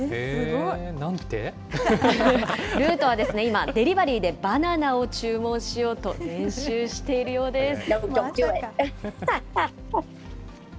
ルートは今、デリバリーでバナナを注文しようと、練習しているようです。